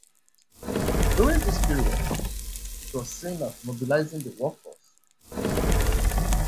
During these periods it was seen as 'mobilising the workforce'.